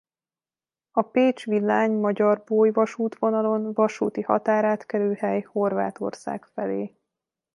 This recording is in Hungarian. A Pécs–Villány–Magyarbóly-vasútvonalon vasúti határátkelőhely Horvátország felé.